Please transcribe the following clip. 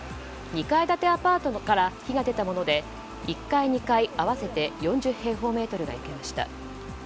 ２階建てアパートから火が出たもので１、２階合わせて４０平方メートルが焼けました。